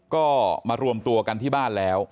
ก็มารวมตัวกันที่บ้านแล้ว